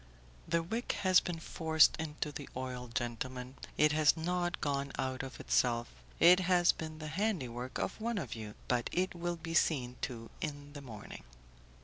"The wick has been forced into the oil, gentlemen; it has not gone out of itself; it has been the handiwork of one of you, but it will be seen to in the morning."